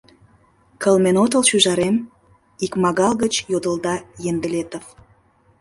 — Кылмен отыл, шӱжарем? — икмагал гыч йодылда Ендылетов.